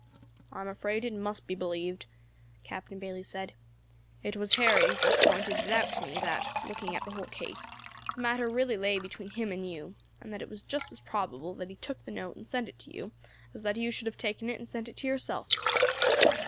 "I am afraid it must be believed," Captain Bayley said. "It was Harry who first pointed it out to me that, looking at the whole case, the matter really lay between him and you, and that it was just as probable that he took the note and sent it to you as that you should have taken it and sent it to yourself.